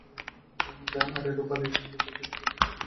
আরে, রূপালি সামনে দেখে চুপ আছি, নইলে খবর করে দিতাম।